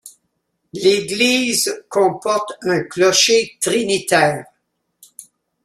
L'église comporte un clocher trinitaire.